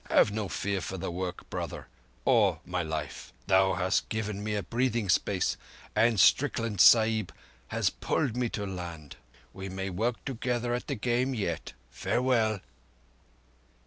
Have no fear for the work, brother—or my life. Thou hast given me breathing space, and Strickland Sahib has pulled me to land. We may work together at the Game yet. Farewell!"